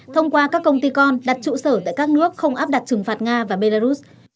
thông qua các công ty con đặt trụ sở tại các nước không áp đặt trừng phạt nga và belarus